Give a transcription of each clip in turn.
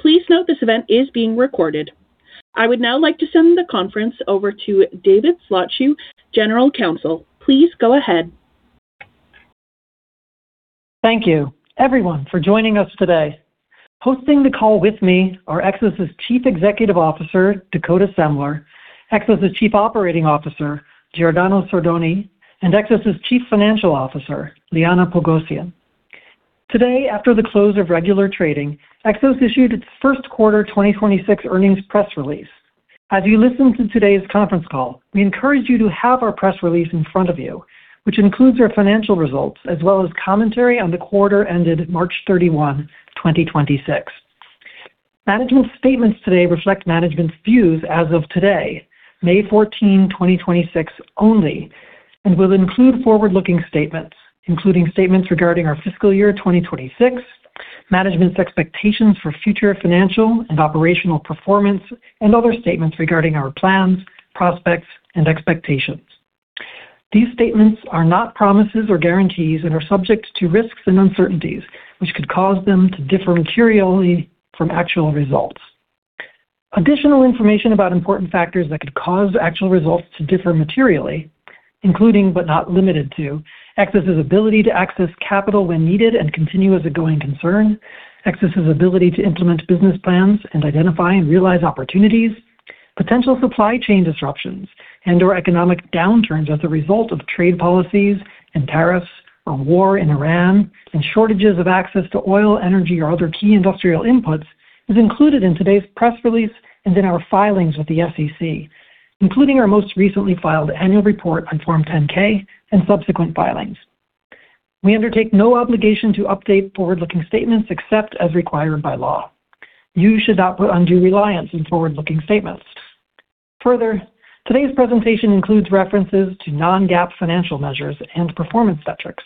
Please note this event is being recorded. I would now like to send the conference over to David Zlotchew, General Counsel. Please go ahead. Thank you everyone for joining us today. Hosting the call with me are Xos' Chief Executive Officer, Dakota Semler, Xos' Chief Operating Officer, Giordano Sordoni, and Xos' Chief Financial Officer, Liana Pogosyan. Today, after the close of regular trading, Xos issued its first quarter 2026 earnings press release. As you listen to today's conference call, we encourage you to have our press release in front of you, which includes our financial results as well as commentary on the quarter ended March 31, 2026. Management's statements today reflect management's views as of today, May 14, 2026 only, and will include forward-looking statements, including statements regarding our fiscal year 2026, management's expectations for future financial and operational performance, and other statements regarding our plans, prospects, and expectations. These statements are not promises or guarantees and are subject to risks and uncertainties, which could cause them to differ materially from actual results. Additional information about important factors that could cause actual results to differ materially, including but not limited to Xos' ability to access capital when needed and continue as a going concern, Xos' ability to implement business plans and identify and realize opportunities, potential supply chain disruptions and/or economic downturns as a result of trade policies and tariffs or war in Ukraine, and shortages of access to oil, energy, or other key industrial inputs is included in today's press release and in our filings with the SEC, including our most recently filed annual report on Form 10-K and subsequent filings. We undertake no obligation to update forward-looking statements except as required by law. You should not put undue reliance in forward-looking statements. Further, today's presentation includes references to non-GAAP financial measures and performance metrics.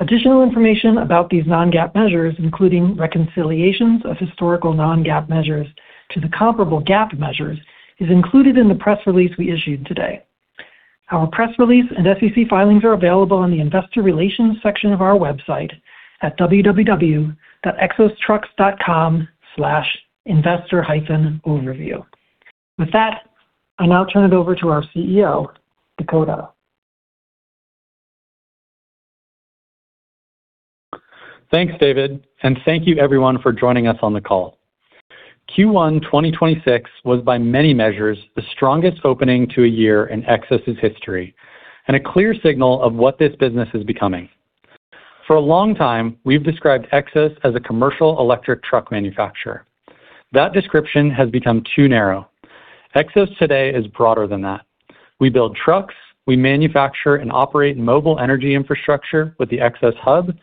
Additional information about these non-GAAP measures, including reconciliations of historical non-GAAP measures to the comparable GAAP measures, is included in the press release we issued today. Our press release and SEC filings are available on the investor relations section of our website at www.xostrucks.com/investor-overview. With that, I'll now turn it over to our CEO, Dakota. Thanks, David, and thank you everyone for joining us on the call. Q1 2026 was by many measures the strongest opening to a year in Xos' history and a clear signal of what this business is becoming. For a long time, we've described Xos as a commercial electric truck manufacturer. That description has become too narrow. Xos today is broader than that. We build trucks, we manufacture and operate mobile energy infrastructure with the Xos Hub,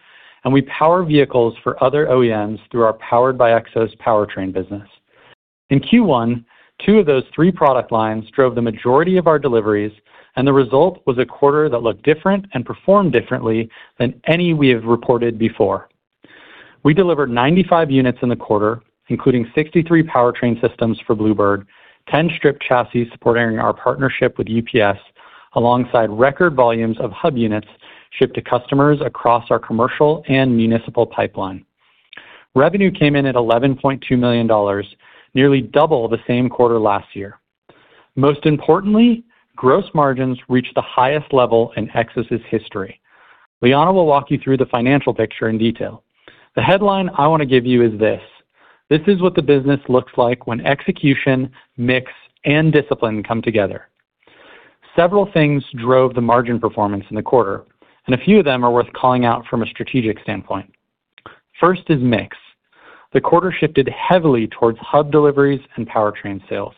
and we power vehicles for other OEMs through our Powered by Xos powertrain business. In Q1, two of those three product lines drove the majority of our deliveries, and the result was a quarter that looked different and performed differently than any we have reported before. We delivered 95 units in the quarter, including 63 powertrain systems for Blue Bird, 10 stripped chassis supporting our partnership with UPS, alongside record volumes of Hub units shipped to customers across our commercial and municipal pipeline. Revenue came in at $11.2 million, nearly double the same quarter last year. Most importantly, gross margins reached the highest level in Xos' history. Liana will walk you through the financial picture in detail. The headline I want to give you is this. This is what the business looks like when execution, mix, and discipline come together. Several things drove the margin performance in the quarter, and a few of them are worth calling out from a strategic standpoint. First is mix. The quarter shifted heavily towards Hub deliveries and powertrain sales.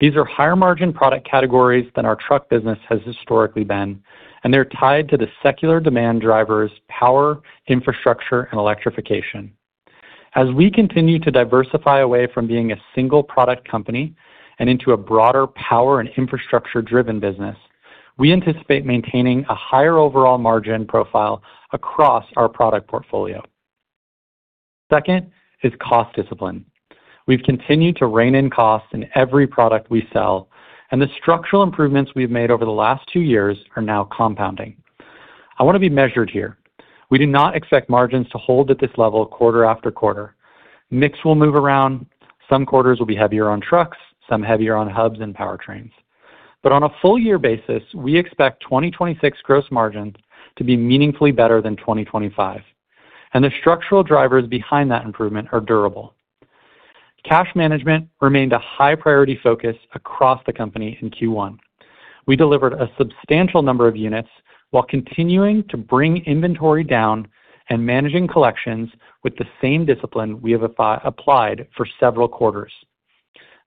These are higher margin product categories than our truck business has historically been, and they're tied to the secular demand drivers, power, infrastructure, and electrification. As we continue to diversify away from being a single product company and into a broader power and infrastructure-driven business, we anticipate maintaining a higher overall margin profile across our product portfolio. Second is cost discipline. We've continued to rein in costs in every product we sell, and the structural improvements we've made over the last two years are now compounding. I want to be measured here. We do not expect margins to hold at this level quarter after quarter. Mix will move around. Some quarters will be heavier on trucks, some heavier on Hubs and powertrains. On a full year basis, we expect 2026 gross margins to be meaningfully better than 2025, and the structural drivers behind that improvement are durable. Cash management remained a high priority focus across the company in Q1. We delivered a substantial number of units while continuing to bring inventory down and managing collections with the same discipline we have applied for several quarters.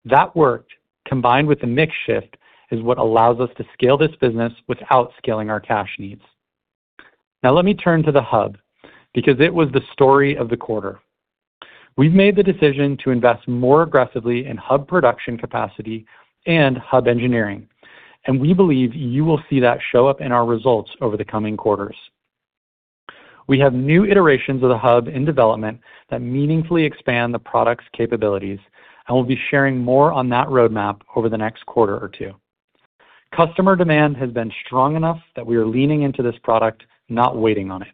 That work, combined with the mix shift, is what allows us to scale this business without scaling our cash needs. Let me turn to the Hub, because it was the story of the quarter. We've made the decision to invest more aggressively in Hub production capacity and Hub engineering, and we believe you will see that show up in our results over the coming quarters. We have new iterations of the Hub in development that meaningfully expand the product's capabilities, and we'll be sharing more on that roadmap over the next quarter or two. Customer demand has been strong enough that we are leaning into this product, not waiting on it.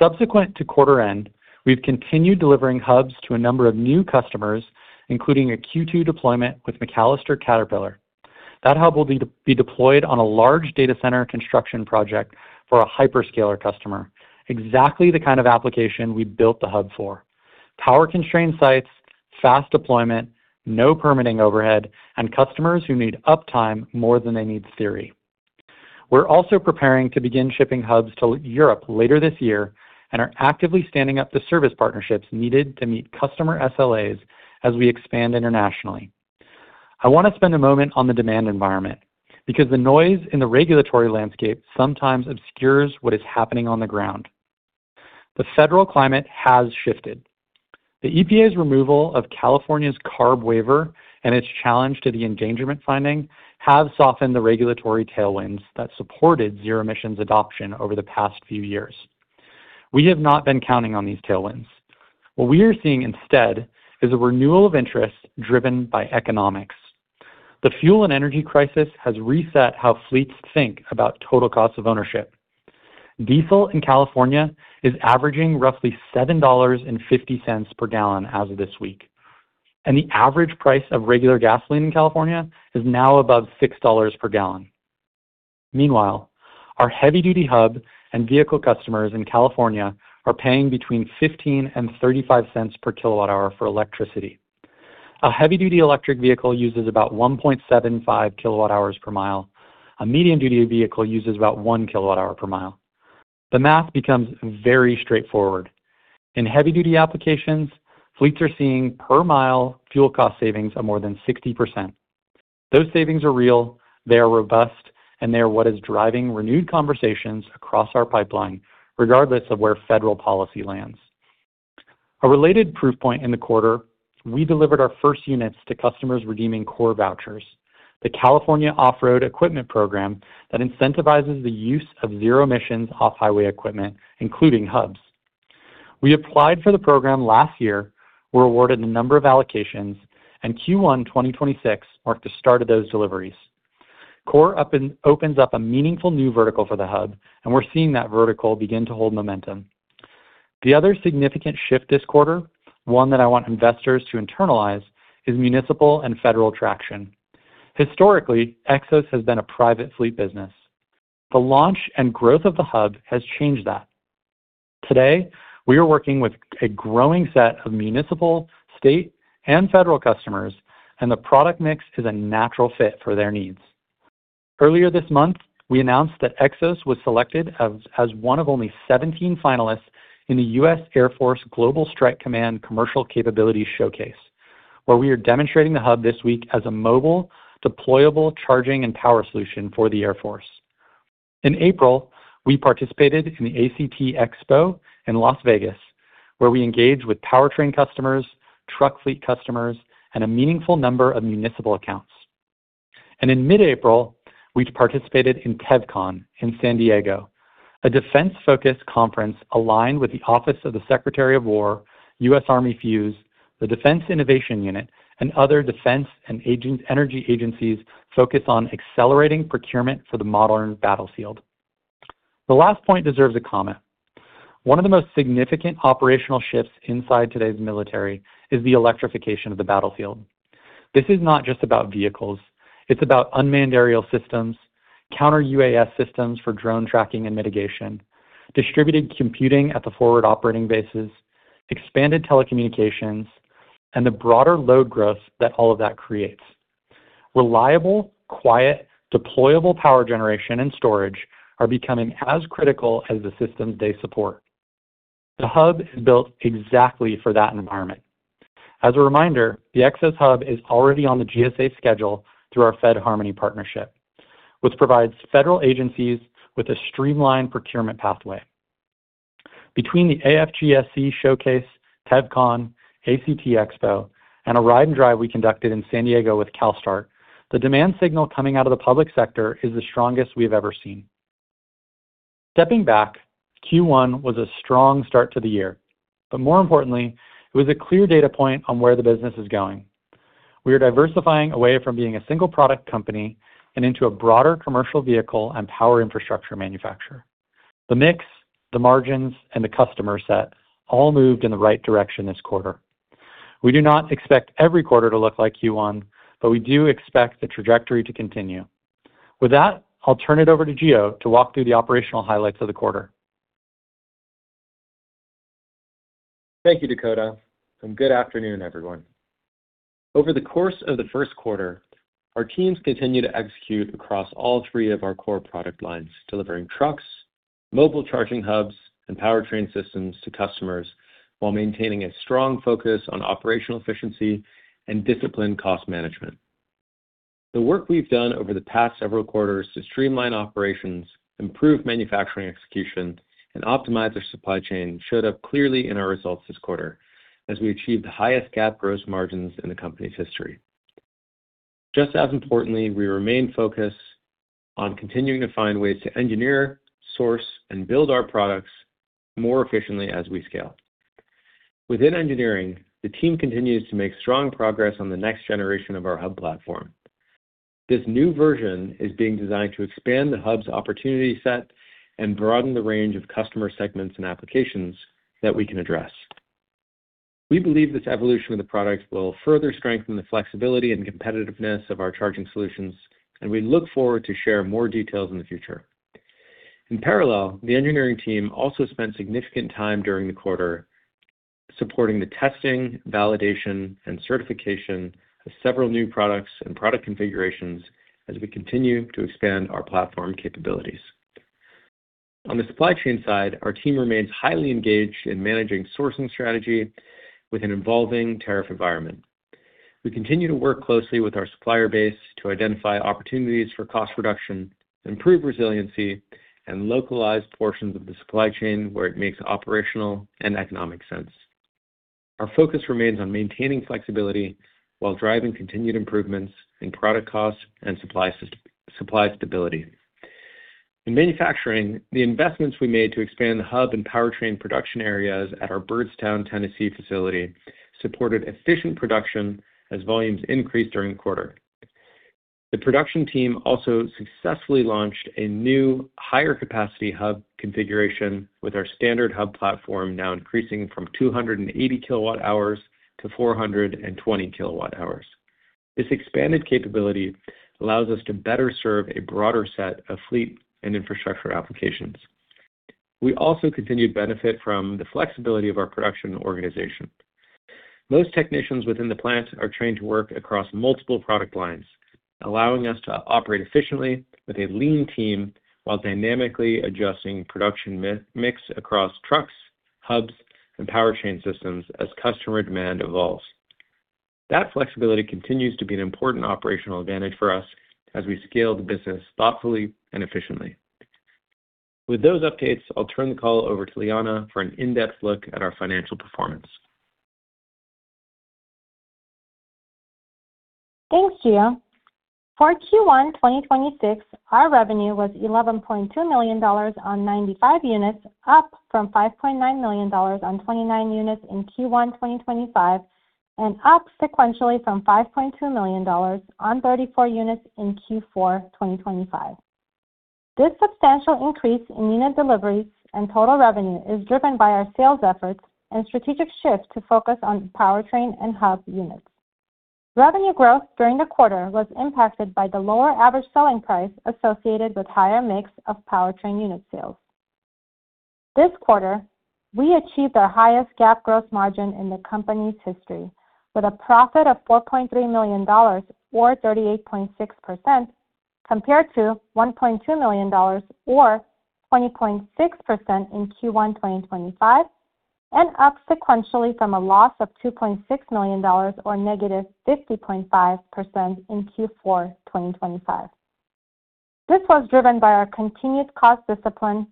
Subsequent to quarter end, we've continued delivering hubs to a number of new customers, including a Q2 deployment with MacAllister Caterpillar. That hub will be deployed on a large data center construction project for a hyperscaler customer. Exactly the kind of application we built the hub for. Power-constrained sites, fast deployment, no permitting overhead, and customers who need uptime more than they need theory. We're also preparing to begin shipping hubs to Europe later this year and are actively standing up the service partnerships needed to meet customer SLAs as we expand internationally. I want to spend a moment on the demand environment because the noise in the regulatory landscape sometimes obscures what is happening on the ground. The federal climate has shifted. The EPA's removal of California's CARB waiver and its challenge to the Endangerment Finding have softened the regulatory tailwinds that supported zero-emissions adoption over the past few years. We have not been counting on these tailwinds. What we are seeing instead is a renewal of interest driven by economics. The fuel and energy crisis has reset how fleets think about total cost of ownership. Diesel in California is averaging roughly $7.50/gal as of this week, and the average price of regular gasoline in California is now above $6/gal. Meanwhile, our heavy-duty hub and vehicle customers in California are paying between $0.15 and $0.35/kWh for electricity. A heavy-duty electric vehicle uses about 1.75 kWh/mi. A medium-duty vehicle uses about 1 kWh/mi. The math becomes very straightforward. In heavy-duty applications, fleets are seeing per mile fuel cost savings of more than 60%. Those savings are real, they are robust, and they are what is driving renewed conversations across our pipeline, regardless of where federal policy lands. A related proof point in the quarter, we delivered our first units to customers redeeming CORE vouchers, the California Off-Road Equipment program that incentivizes the use of zero-emissions off-highway equipment, including hubs. We applied for the program last year, were awarded a number of allocations, and Q1 2026 marked the start of those deliveries. CORE opens up a meaningful new vertical for the hub, and we're seeing that vertical begin to hold momentum. The other significant shift this quarter, one that I want investors to internalize, is municipal and federal traction. Historically, Xos has been a private fleet business. The launch and growth of the hub has changed that. Today, we are working with a growing set of municipal, state, and federal customers, and the product mix is a natural fit for their needs. Earlier this month, we announced that Xos was selected as one of only 17 finalists in the U.S. Air Force Global Strike Command Commercial Capabilities Showcase, where we are demonstrating the hub this week as a mobile deployable charging and power solution for the Air Force. In April, we participated in the ACT Expo in Las Vegas, where we engaged with powertrain customers, truck fleet customers, and a meaningful number of municipal accounts. In mid-April, we participated in TEVCON in San Diego, a defense-focused conference aligned with the Office of the Secretary of War, U.S. Army FUZE, the Defense Innovation Unit, and other defense and energy agencies focused on accelerating procurement for the modern battlefield. The last point deserves a comment. One of the most significant operational shifts inside today's military is the electrification of the battlefield. This is not just about vehicles. It's about unmanned aerial systems, counter-UAS systems for drone tracking and mitigation, distributed computing at the forward operating bases, expanded telecommunications, and the broader load growth that all of that creates. Reliable, quiet, deployable power generation and storage are becoming as critical as the systems they support. The Hub is built exactly for that environment. As a reminder, the Xos Hub is already on the GSA schedule through our FedHarmony partnership, which provides federal agencies with a streamlined procurement pathway. Between the AFGSC Showcase, TEVCON, ACT Expo, and a ride and drive we conducted in San Diego with CALSTART, the demand signal coming out of the public sector is the strongest we have ever seen. Stepping back, Q1 was a strong start to the year, but more importantly, it was a clear data point on where the business is going. We are diversifying away from being a single product company and into a broader commercial vehicle and power infrastructure manufacturer. The mix, the margins, and the customer set all moved in the right direction this quarter. We do not expect every quarter to look like Q1, but we do expect the trajectory to continue. With that, I'll turn it over to Gio to walk through the operational highlights of the quarter. Thank you, Dakota, and good afternoon, everyone. Over the course of the first quarter, our teams continued to execute across all three of our core product lines, delivering trucks, mobile charging hubs, and powertrain systems to customers while maintaining a strong focus on operational efficiency and disciplined cost management. The work we've done over the past several quarters to streamline operations, improve manufacturing execution, and optimize our supply chain showed up clearly in our results this quarter as we achieved the highest GAAP gross margins in the company's history. Just as importantly, we remain focused on continuing to find ways to engineer, source, and build our products more efficiently as we scale. Within engineering, the team continues to make strong progress on the next generation of our hub platform. This new version is being designed to expand the hub's opportunity set and broaden the range of customer segments and applications that we can address. We believe this evolution of the product will further strengthen the flexibility and competitiveness of our charging solutions, and we look forward to share more details in the future. In parallel, the engineering team also spent significant time during the quarter supporting the testing, validation, and certification of several new products and product configurations as we continue to expand our platform capabilities. On the supply chain side, our team remains highly engaged in managing sourcing strategy with an evolving tariff environment. We continue to work closely with our supplier base to identify opportunities for cost reduction, improve resiliency, and localize portions of the supply chain where it makes operational and economic sense. Our focus remains on maintaining flexibility while driving continued improvements in product costs and supply stability. In manufacturing, the investments we made to expand the hub and powertrain production areas at our Byrdstown, Tennessee facility supported efficient production as volumes increased during the quarter. The production team also successfully launched a new higher capacity hub configuration with our standard hub platform now increasing from 280 kWh to 420 kWh. This expanded capability allows us to better serve a broader set of fleet and infrastructure applications. We also continue to benefit from the flexibility of our production organization. Most technicians within the plant are trained to work across multiple product lines, allowing us to operate efficiently with a lean team while dynamically adjusting production mix across trucks, hubs, and powertrain systems as customer demand evolves. That flexibility continues to be an important operational advantage for us as we scale the business thoughtfully and efficiently. With those updates, I'll turn the call over to Liana for an in-depth look at our financial performance. Thank you. For Q1 2026, our revenue was $11.2 million on 95 units, up from $5.9 million on 29 units in Q1 2025, and up sequentially from $5.2 million on 34 units in Q4 2025. This substantial increase in unit deliveries and total revenue is driven by our sales efforts and strategic shift to focus on powertrain and hub units. Revenue growth during the quarter was impacted by the lower average selling price associated with higher mix of powertrain unit sales. This quarter, we achieved our highest GAAP gross margin in the company's history with a profit of $4.3 million or 38.6% compared to $1.2 million or 20.6% in Q1 2025, up sequentially from a loss of $2.6 million or -50.5% in Q4 2025. This was driven by our continued cost discipline,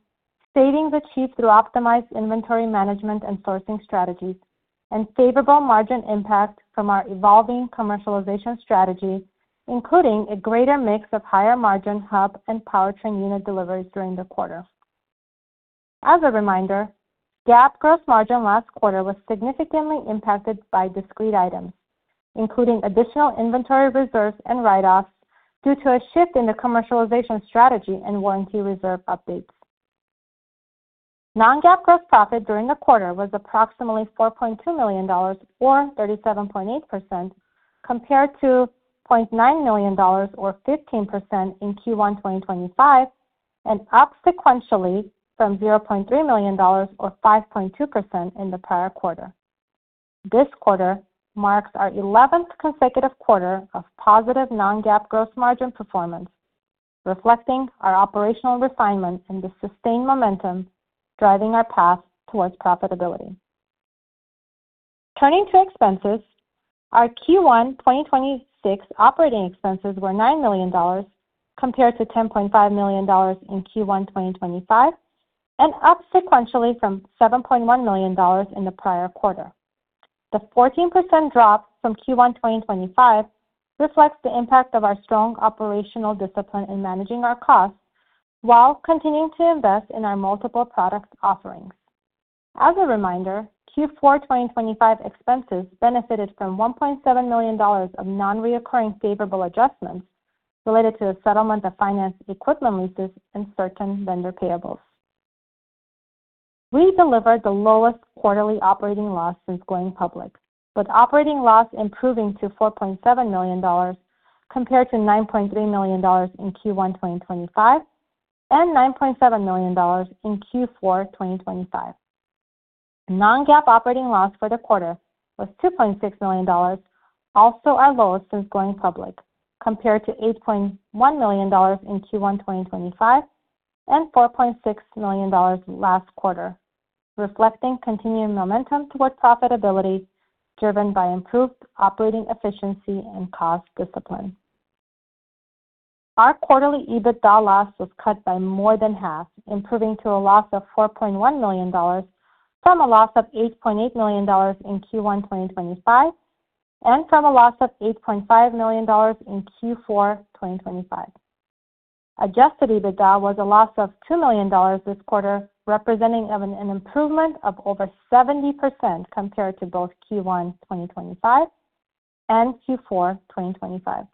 savings achieved through optimized inventory management and sourcing strategies, and favorable margin impact from our evolving commercialization strategy, including a greater mix of higher margin hub and powertrain unit deliveries during the quarter. As a reminder, GAAP gross margin last quarter was significantly impacted by discrete items, including additional inventory reserves and write-offs, due to a shift in the commercialization strategy and warranty reserve updates. Non-GAAP gross profit during the quarter was approximately $4.2 million or 37.8% compared to $0.9 million or 15% in Q1 2025, and up sequentially from $0.3 million or 5.2% in the prior quarter. This quarter marks our 11th consecutive quarter of positive non-GAAP gross margin performance, reflecting our operational refinements and the sustained momentum driving our path towards profitability. Turning to expenses, our Q1 2026 operating expenses were $9 million compared to $10.5 million in Q1 2025, and up sequentially from $7.1 million in the prior quarter. The 14% drop from Q1 2025 reflects the impact of our strong operational discipline in managing our costs while continuing to invest in our multiple product offerings. As a reminder, Q4 2025 expenses benefited from $1.7 million of non-recurring favorable adjustments related to the settlement of finance equipment leases and certain vendor payables. We delivered the lowest quarterly operating loss since going public, with operating loss improving to $4.7 million compared to $9.3 million in Q1 2025 and $9.7 million in Q4 2025. Non-GAAP operating loss for the quarter was $2.6 million, also our lowest since going public compared to $8.1 million in Q1 2025 and $4.6 million last quarter, reflecting continuing momentum towards profitability driven by improved operating efficiency and cost discipline. Our quarterly EBITDA loss was cut by more than half, improving to a loss of $4.1 million from a loss of $8.8 million in Q1 2025 and from a loss of $8.5 million in Q4 2025. Adjusted EBITDA was a loss of $2 million this quarter, representing an improvement of over 70% compared to both Q1 2025 and Q4 2025.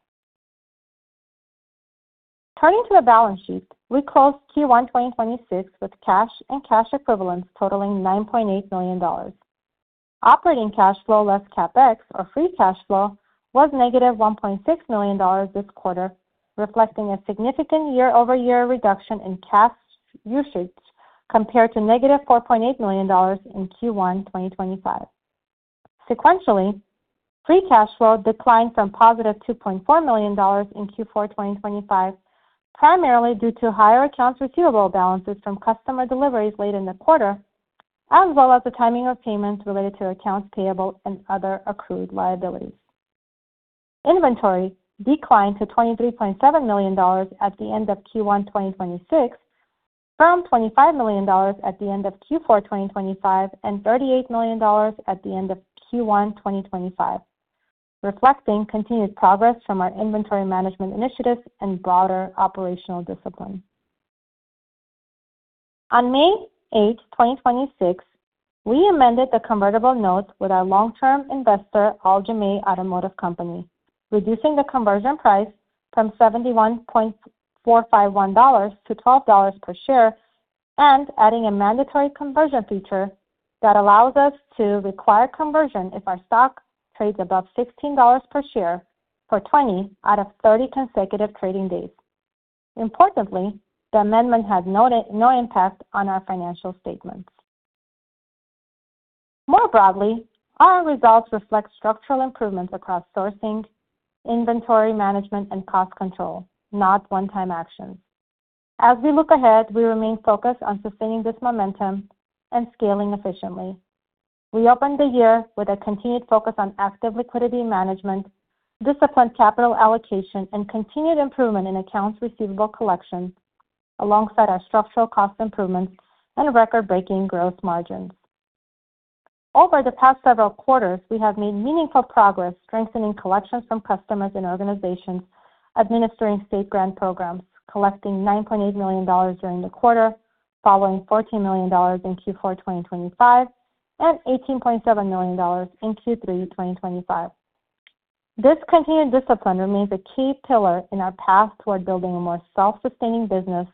Turning to the balance sheet, we closed Q1 2026 with cash and cash equivalents totaling $9.8 million. Operating cash flow less CapEx, or free cash flow, was -$1.6 million this quarter, reflecting a significant year-over-year reduction in cash usage compared to -$4.8 million in Q1 2025. Sequentially, free cash flow declined from positive $2.4 million in Q4 2025, primarily due to higher accounts receivable balances from customer deliveries late in the quarter, as well as the timing of payments related to accounts payable and other accrued liabilities. Inventory declined to $23.7 million at the end of Q1 2026 from $25 million at the end of Q4 2025 and $38 million at the end of Q1 2025, reflecting continued progress from our inventory management initiatives and broader operational discipline. On May 8th, 2026, we amended the convertible note with our long-term investor, Aljomaih Automotive Company, reducing the conversion price from $71.451-$12 per share and adding a mandatory conversion feature that allows us to require conversion if our stock trades above $15 per share for 20 out of 30 consecutive trading days. Importantly, the amendment had no impact on our financial statements. More broadly, our results reflect structural improvements across sourcing, inventory management, and cost control, not one-time actions. As we look ahead, we remain focused on sustaining this momentum and scaling efficiently. We opened the year with a continued focus on active liquidity management, disciplined capital allocation, and continued improvement in accounts receivable collection, alongside our structural cost improvements and record-breaking gross margins. Over the past several quarters, we have made meaningful progress strengthening collections from customers and organizations administering state grant programs, collecting $9.8 million during the quarter, following $14 million in Q4 2025 and $18.7 million in Q3 2025. This continued discipline remains a key pillar in our path toward building a more self-sustaining business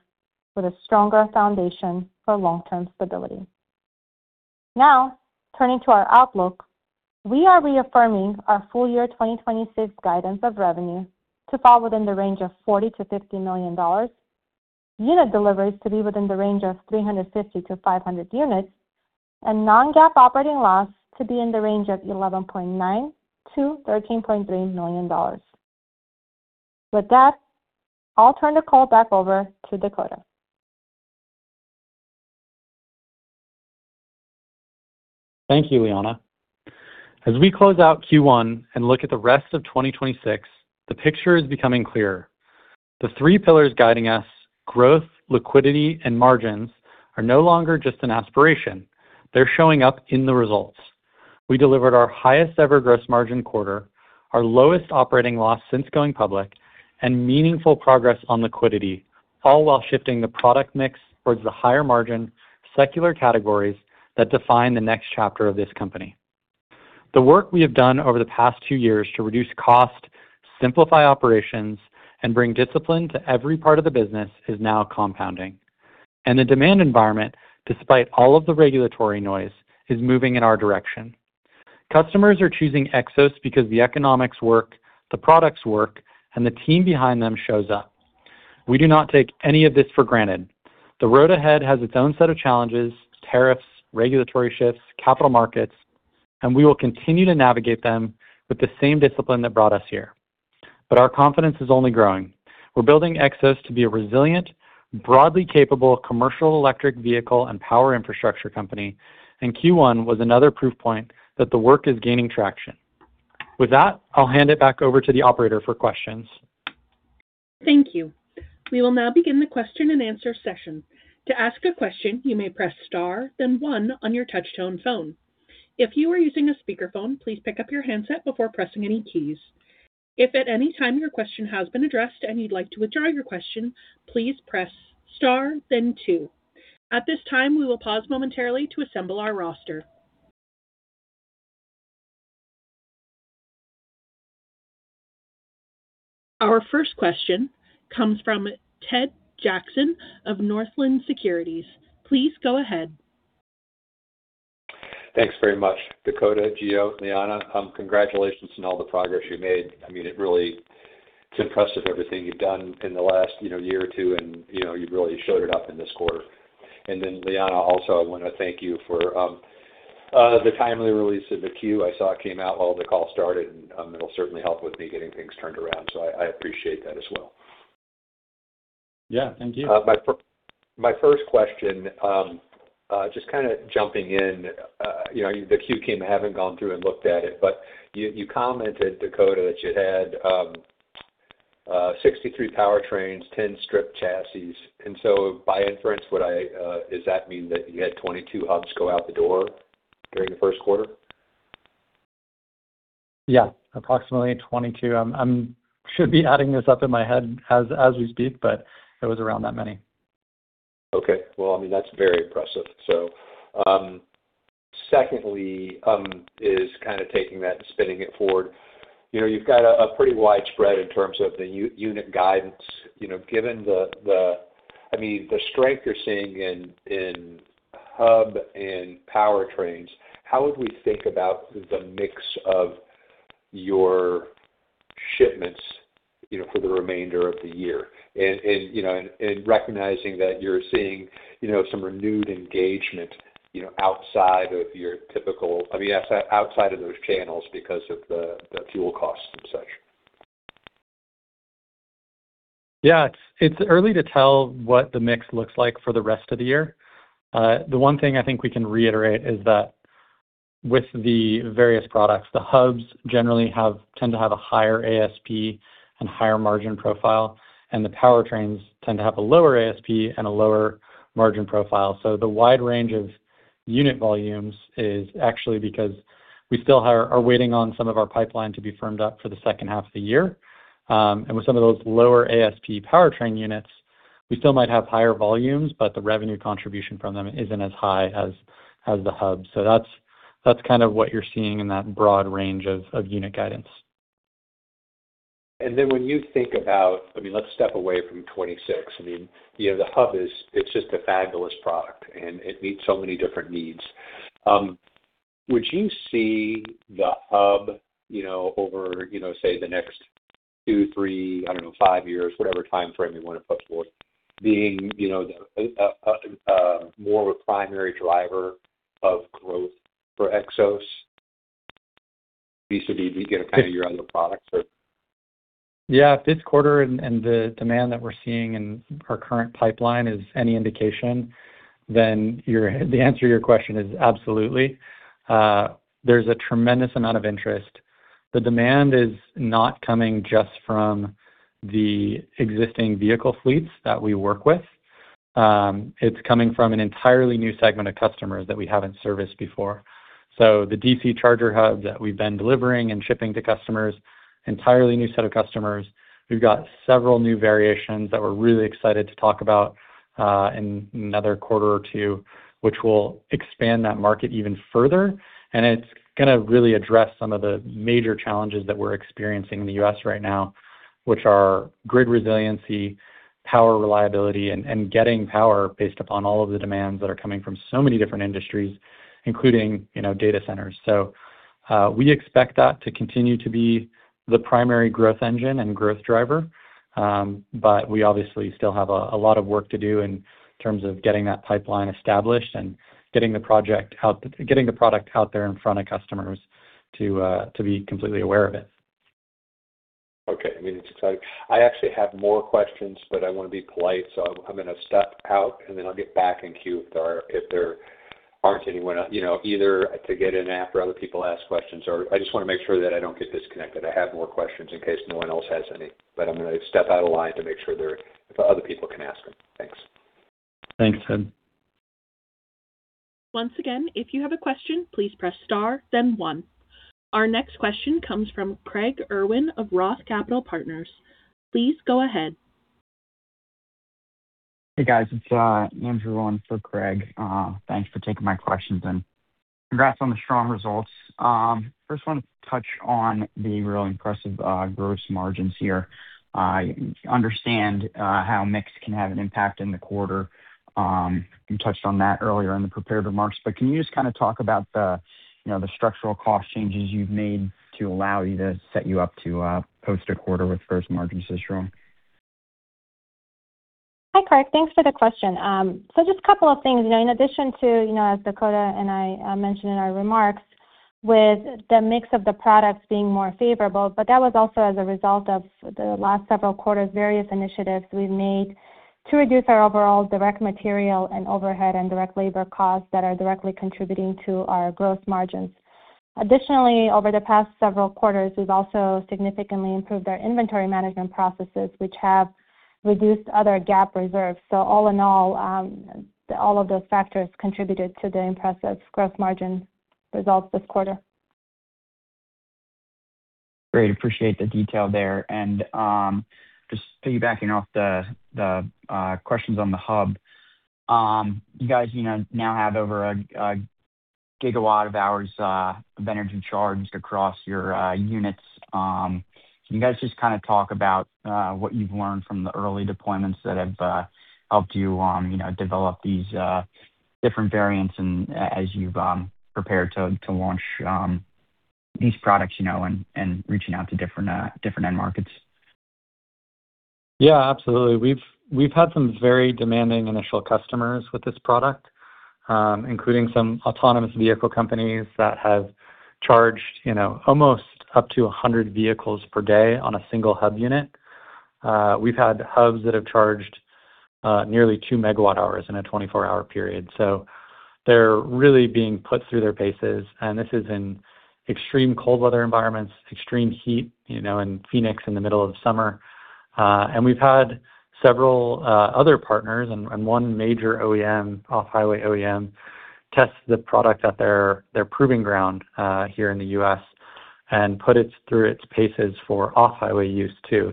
with a stronger foundation for long-term stability. Turning to our outlook, we are reaffirming our full year 2026 guidance of revenue to fall within the range of $40 million-$50 million, unit deliveries to be within the range of 350 to 500 units, and non-GAAP operating loss to be in the range of $11.9 million-$13.3 million. With that, I'll turn the call back over to Dakota. Thank you, Liana. As we close out Q1 and look at the rest of 2026, the picture is becoming clearer. The three pillars guiding us, growth, liquidity, and margins, are no longer just an aspiration. They're showing up in the results. We delivered our highest ever gross margin quarter, our lowest operating loss since going public, and meaningful progress on liquidity, all while shifting the product mix towards the higher margin secular categories that define the next chapter of this company. The work we have done over the past two years to reduce cost, simplify operations, and bring discipline to every part of the business is now compounding. The demand environment, despite all of the regulatory noise, is moving in our direction. Customers are choosing Xos because the economics work, the products work, and the team behind them shows up. We do not take any of this for granted. The road ahead has its own set of challenges, tariffs, regulatory shifts, capital markets, and we will continue to navigate them with the same discipline that brought us here. Our confidence is only growing. We're building Xos to be a resilient, broadly capable commercial electric vehicle and power infrastructure company, and Q1 was another proof point that the work is gaining traction. With that, I'll hand it back over to the operator for questions. Thank you. We will now begin the question and answer session. Our first question comes from Ted Jackson of Northland Securities. Please go ahead. Thanks very much, Dakota, Gio, Liana. Congratulations on all the progress you made. I mean, it's impressive everything you've done in the last, you know, year or two, and, you know, you really showed it up in this quarter. Liana, also, I wanna thank you for, the timely release of the Q. I saw it came out while the call started, and, it'll certainly help with me getting things turned around. I appreciate that as well. Yeah. Thank you. My first question, just kinda jumping in, you know, the queue came, I haven't gone through and looked at it, but you commented, Dakota, that you had 63 powertrains, 10 strip chassis. By inference, would I does that mean that you had 22 hubs go out the door during the first quarter? Yeah, approximately 22. I should be adding this up in my head as we speak, but it was around that many. Well, I mean, that's very impressive. Secondly, is kinda taking that and spinning it forward. You know, you've got a pretty wide spread in terms of the unit guidance. You know, given the, I mean, the strength you're seeing in hub and powertrains, how would we think about the mix of your shipments, you know, for the remainder of the year? You know, and recognizing that you're seeing, you know, some renewed engagement, you know, outside of your typical I mean, outside of those channels because of the fuel costs and such. Yeah. It's early to tell what the mix looks like for the rest of the year. The one thing I think we can reiterate is that with the various products, the hubs generally tend to have a higher ASP and higher margin profile, and the powertrains tend to have a lower ASP and a lower margin profile. The wide range of unit volumes is actually because we still are waiting on some of our pipeline to be firmed up for the second half of the year. With some of those lower ASP powertrain units, we still might have higher volumes, but the revenue contribution from them isn't as high as the hub. That's kind of what you're seeing in that broad range of unit guidance. When you think about I mean, let's step away from 26. I mean, you know, the hub is, it's just a fabulous product, and it meets so many different needs. Would you see the hub, you know, over, you know, say the next two, three, I don't know, five years, whatever timeframe you wanna put forward, being, you know, more of a primary driver of growth for Xos vis-a-vis, you know, kinda your other products or? If this quarter and the demand that we're seeing in our current pipeline is any indication, then your the answer to your question is absolutely. There's a tremendous amount of interest. The demand is not coming just from the existing vehicle fleets that we work with. It's coming from an entirely new segment of customers that we haven't serviced before. The DC charger hub that we've been delivering and shipping to customers. Entirely new set of customers. We've got several new variations that we're really excited to talk about, in another quarter or two, which will expand that market even further, and it's gonna really address some of the major challenges that we're experiencing in the U.S. right now, which are grid resiliency, power reliability and getting power based upon all of the demands that are coming from so many different industries, including, you know, data centers. We expect that to continue to be the primary growth engine and growth driver. But we obviously still have a lot of work to do in terms of getting that pipeline established and getting the product out there in front of customers to be completely aware of it. Okay. I mean, it's exciting. I actually have more questions. I wanna be polite. I'm gonna step out. I'll get back in queue if there aren't anyone else. You know, either to get in after other people ask questions or I just wanna make sure that I don't get disconnected. I have more questions in case no one else has any. I'm gonna step out of line to make sure there other people can ask them. Thanks. Thanks, Ted. Once again, if you have a question, please press star then one. Our next question comes from Craig Irwin of Roth Capital Partners. Please go ahead. Hey, guys. It's Andrew on for Craig. Thanks for taking my questions and congrats on the strong results. First wanna touch on the real impressive gross margins here. I understand how mix can have an impact in the quarter. You touched on that earlier in the prepared remarks, but can you just kinda talk about the, you know, the structural cost changes you've made to allow you to set you up to post a quarter with gross margins this strong? Hi, Andrew. Thanks for the question. Just couple of things. You know, in addition to, you know, as Dakota and I mentioned in our remarks with the mix of the products being more favorable, but that was also as a result of the last several quarters' various initiatives we've made to reduce our overall direct material and overhead and direct labor costs that are directly contributing to our gross margins. Additionally, over the past several quarters, we've also significantly improved our inventory management processes, which have reduced other GAAP reserves. All in all of those factors contributed to the impressive gross margin results this quarter. Great. Appreciate the detail there. Just piggybacking off the questions on the Xos Hub, you guys, you know, now have over 1 GWh of energy charged across your units. Can you guys just kind of talk about what you've learned from the early deployments that have helped you know, develop these different variants and as you've prepared to launch these products, you know, and reaching out to different end markets? Yeah, absolutely. We've had some very demanding initial customers with this product, including some autonomous vehicle companies that have charged, you know, almost up to 100 vehicles per day on a single Hub unit. We've had Hubs that have charged nearly 2 MWh in a 24-hour period. They're really being put through their paces, and this is in extreme cold weather environments, extreme heat, you know, in Phoenix in the middle of summer. We've had several other partners and one major OEM, off-highway OEM, test the product at their proving ground here in the U.S. and put it through its paces for off-highway use too.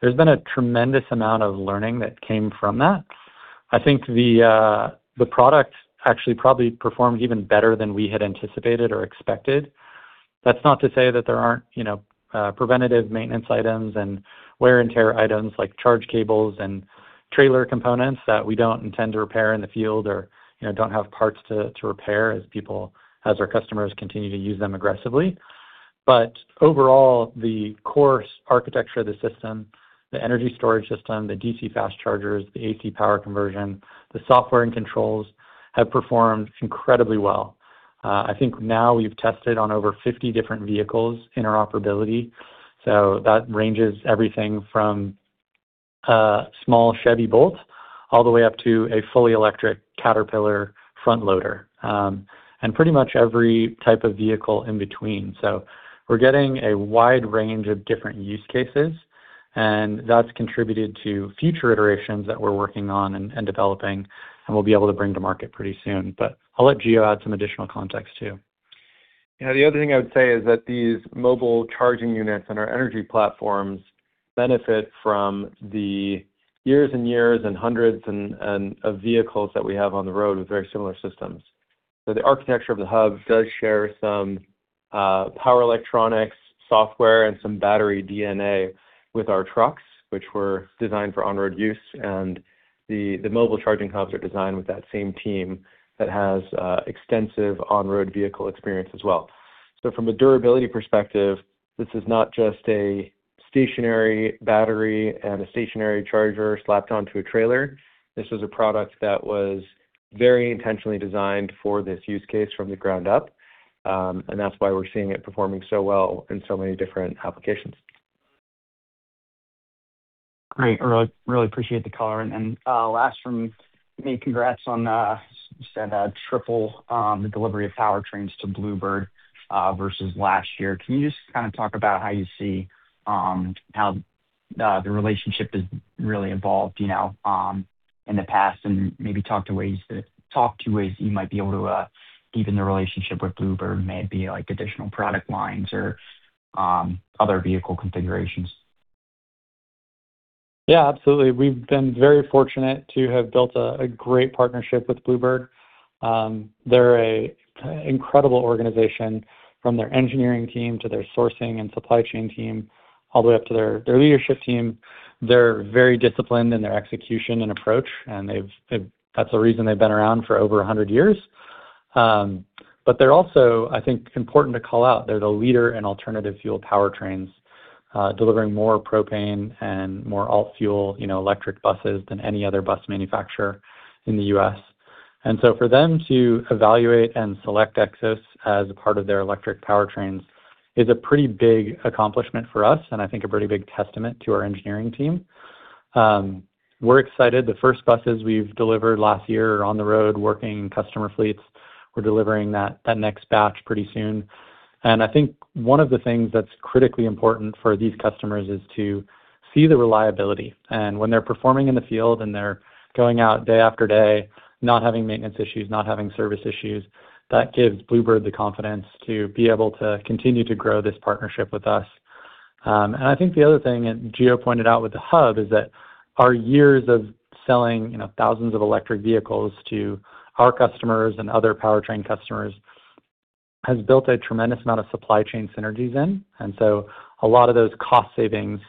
There's been a tremendous amount of learning that came from that. I think the product actually probably performed even better than we had anticipated or expected. That's not to say that there aren't, you know, preventative maintenance items and wear and tear items like charge cables and trailer components that we don't intend to repair in the field or, you know, don't have parts to repair as our customers continue to use them aggressively. Overall, the core architecture of the system, the energy storage system, the DC fast chargers, the AC power conversion, the software and controls have performed incredibly well. I think now we've tested on over 50 different vehicles interoperability, so that ranges everything from a small Chevrolet Bolt all the way up to a fully electric Caterpillar front loader, and pretty much every type of vehicle in between. We're getting a wide range of different use cases, and that's contributed to future iterations that we're working on and developing and we'll be able to bring to market pretty soon. I'll let Gio add some additional context too. Yeah. The other thing I would say is that these mobile charging units and our energy platforms benefit from the years and years and hundreds and of vehicles that we have on the road with very similar systems. The architecture of the hub does share some power electronics software and some battery DNA with our trucks, which were designed for on-road use. The mobile charging hubs are designed with that same team that has extensive on-road vehicle experience as well. From a durability perspective, this is not just a stationary battery and a stationary charger slapped onto a trailer. This was a product that was very intentionally designed for this use case from the ground up, and that's why we're seeing it performing so well in so many different applications. Great. Really appreciate the color. Last from me, congrats on, you said a triple, delivery of powertrains to Blue Bird versus last year. Can you just kind of talk about how you see how the relationship has really evolved, you know, in the past? Maybe talk to ways you might be able to deepen the relationship with Blue Bird. May it be, like, additional product lines or other vehicle configurations. Absolutely. We've been very fortunate to have built a great partnership with Blue Bird. They're an incredible organization from their engineering team to their sourcing and supply chain team, all the way up to their leadership team. They're very disciplined in their execution and approach. That's the reason they've been around for over 100 years. They're also, I think it's important to call out, they're the leader in alternative fuel powertrains, delivering more propane and more alt-fuel, you know, electric buses than any other bus manufacturer in the U.S. For them to evaluate and select Xos as a part of their electric powertrains is a pretty big accomplishment for us, and I think a pretty big testament to our engineering team. We're excited. The first buses we've delivered last year are on the road working customer fleets. We're delivering that next batch pretty soon. I think one of the things that's critically important for these customers is to see the reliability. When they're performing in the field, and they're going out day after day, not having maintenance issues, not having service issues, that gives Blue Bird the confidence to be able to continue to grow this partnership with us. I think the other thing, Gio pointed out with the hub, is that our years of selling, you know, thousands of electric vehicles to our customers and other powertrain customers has built a tremendous amount of supply chain synergies in. A lot of those cost savings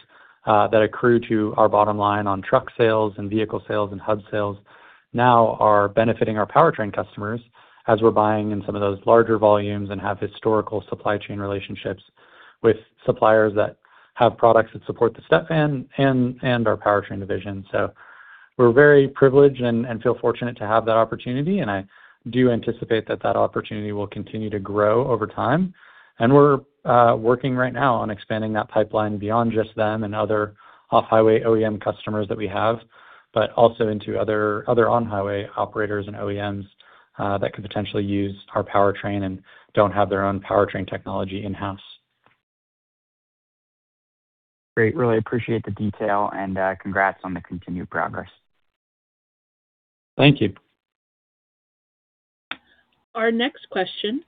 that accrue to our bottom line on truck sales and vehicle sales and Xos Hub sales now are benefiting our powertrain customers as we're buying in some of those larger volumes and have historical supply chain relationships with suppliers that have products that support the step van and our Powered by Xos division. We're very privileged and feel fortunate to have that opportunity, and I do anticipate that that opportunity will continue to grow over time. We're working right now on expanding that pipeline beyond just them and other off-highway OEM customers that we have, but also into other on-highway operators and OEMs that could potentially use our powertrain and don't have their own powertrain technology in-house. Great. Really appreciate the detail, and, congrats on the continued progress. Thank you. Our next question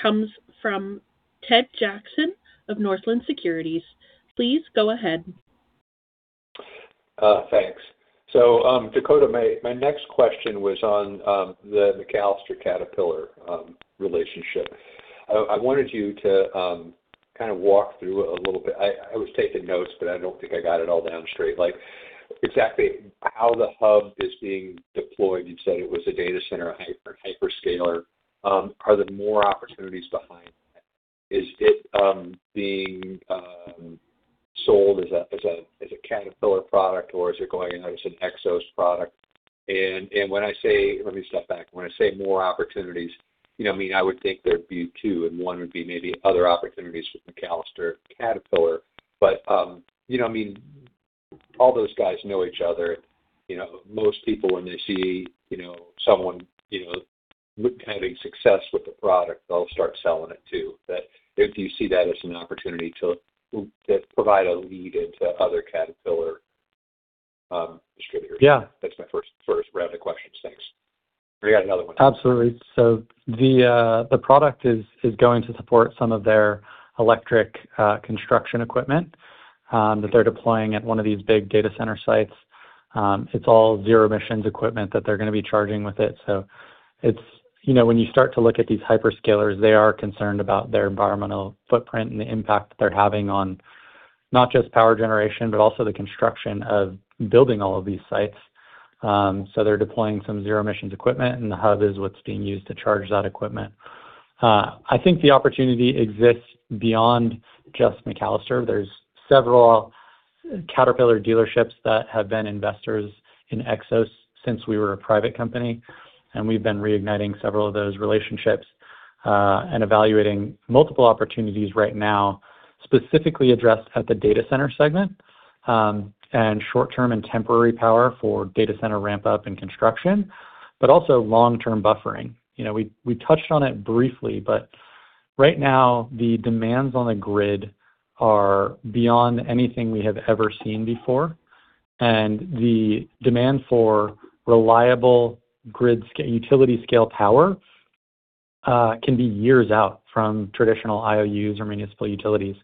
comes from Ted Jackson of Northland Securities. Please go ahead. Thanks. Dakota, my next question was on the MacAllister Caterpillar relationship. I wanted you to kind of walk through a little bit. I was taking notes, but I don't think I got it all down straight. Like exactly how the hub is being deployed. You said it was a data center hyperscaler. Are there more opportunities behind that? Is it being sold as a Caterpillar product, or is it going as an Xos product? When I say, let me step back. When I say more opportunities, you know, I mean, I would think there'd be two, and one would be maybe other opportunities with MacAllister Caterpillar. You know, I mean, all those guys know each other. You know, most people when they see, you know, someone With having success with the product, they'll start selling it too. If you see that as an opportunity to provide a lead into other Caterpillar distributors. Yeah. That's my first round of questions. Thanks. I got another one. Absolutely. The product is going to support some of their electric construction equipment that they're deploying at one of these big data center sites. It's all zero emissions equipment that they're gonna be charging with it. You know, when you start to look at these hyperscalers, they are concerned about their environmental footprint and the impact they're having on not just power generation, but also the construction of building all of these sites. They're deploying some zero emissions equipment, and the hub is what's being used to charge that equipment. I think the opportunity exists beyond just MacAllister. There's several Caterpillar dealerships that have been investors in Xos since we were a private company, and we've been reigniting several of those relationships, and evaluating multiple opportunities right now, specifically addressed at the data center segment, and short-term and temporary power for data center ramp-up and construction, but also long-term buffering. You know, we touched on it briefly, but right now the demands on the grid are beyond anything we have ever seen before. The demand for reliable grid utility scale power, can be years out from traditional IOUs or municipal utilities.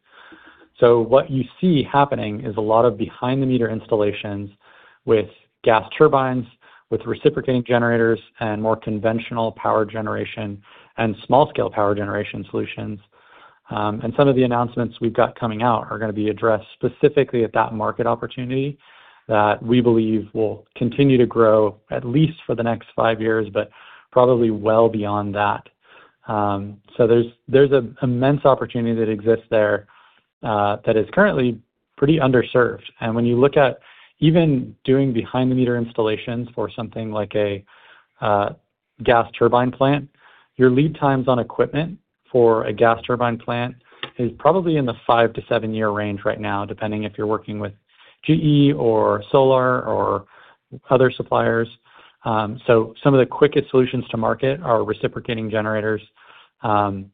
What you see happening is a lot of behind the meter installations with gas turbines, with reciprocating generators, and more conventional power generation, and small scale power generation solutions. Some of the announcements we've got coming out are gonna be addressed specifically at that market opportunity that we believe will continue to grow at least for the next five years, but probably well beyond that. There's an immense opportunity that exists there that is currently pretty underserved. When you look at even doing behind the meter installations for something like a gas turbine plant, your lead times on equipment for a gas turbine plant is probably in the five-seven year range right now, depending if you're working with GE or Solar or other suppliers. Some of the quickest solutions to market are reciprocating generators, and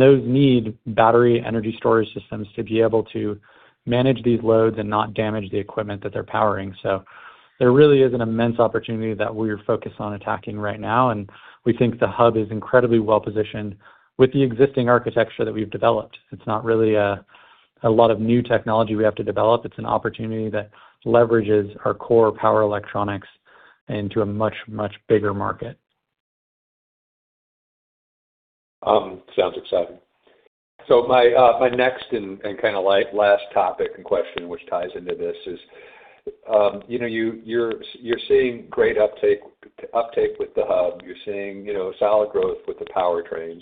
those need battery energy storage systems to be able to manage these loads and not damage the equipment that they're powering. There really is an immense opportunity that we're focused on attacking right now, and we think the Hub is incredibly well-positioned with the existing architecture that we've developed. It's not really a lot of new technology we have to develop. It's an opportunity that leverages our core power electronics into a much, much bigger market. Sounds exciting. My next and kind of like last topic and question which ties into this is, you know, you're, you're seeing great uptake with the hub. You're seeing, you know, solid growth with the powertrains.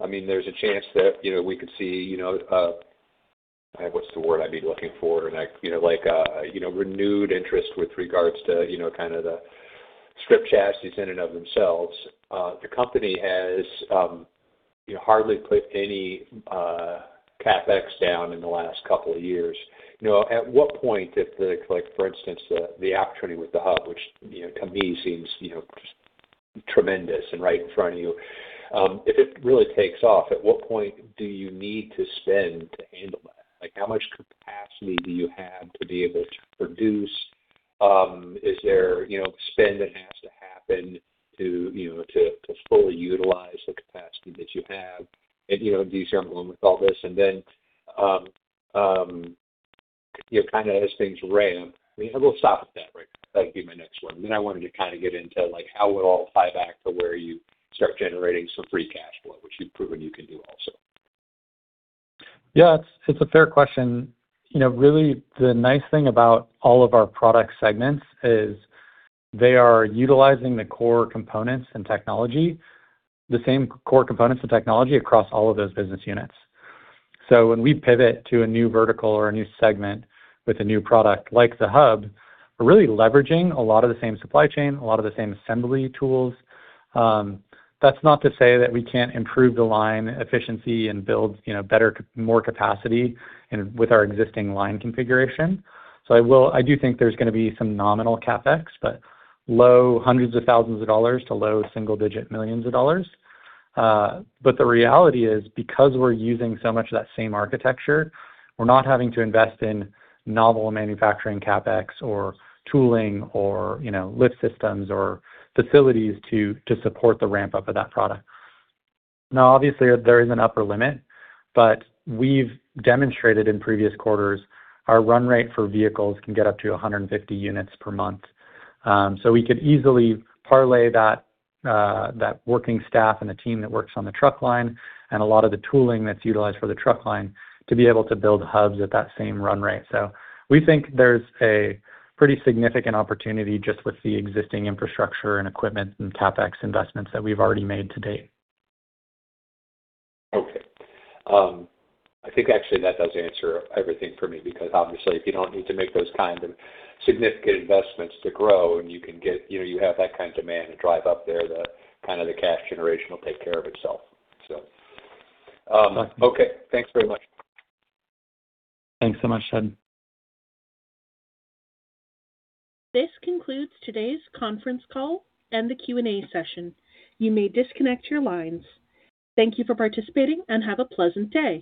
I mean, there's a chance that, you know, we could see, you know, what's the word I'd be looking for? Like, you know, like, you know, renewed interest with regards to, you know, kind of the strip chassis in and of themselves. The company has, you know, hardly put any CapEx down in the last couple of years. You know, at what point, if the Like, for instance, the opportunity with the hub, which, you know, to me seems, you know, just tremendous and right in front of you. If it really takes off, at what point do you need to spend to handle that? Like, how much capacity do you have to be able to produce? Is there, you know, spend that has to happen to, you know, to fully utilize the capacity that you have? You know, do you see anyone with all this? You know, kind of as things ramp, I mean, we'll stop at that right now. That'd be my next one. I wanted to kind of get into, like, how it all tie back to where you start generating some free cash flow, which you've proven you can do also. Yeah, it's a fair question. You know, really the nice thing about all of our product segments is they are utilizing the core components and technology, the same core components and technology across all of those business units. When we pivot to a new vertical or a new segment with a new product like the hub, we're really leveraging a lot of the same supply chain, a lot of the same assembly tools. That's not to say that we can't improve the line efficiency and build, you know, better, more capacity with our existing line configuration. I do think there's gonna be some nominal CapEx, but low hundreds of thousands of dollars to low single-digit millions of dollars. The reality is because we're using so much of that same architecture, we're not having to invest in novel manufacturing CapEx or tooling or, you know, lift systems or facilities to support the ramp-up of that product. Obviously, there is an upper limit, but we've demonstrated in previous quarters our run rate for vehicles can get up to 150 units per month. We could easily parlay that working staff and the team that works on the truck line and a lot of the tooling that's utilized for the truck line to be able to build Hubs at that same run rate. We think there's a pretty significant opportunity just with the existing infrastructure and equipment and CapEx investments that we've already made to date. Okay. I think actually that does answer everything for me because obviously, if you don't need to make those kind of significant investments to grow and you can get, you know, you have that kind of demand to drive up there, the, kind of the cash generation will take care of itself. Okay. Thanks very much. Thanks so much, Ted. This concludes today's conference call and the Q&A session. You may disconnect your lines. Thank you for participating and have a pleasant day.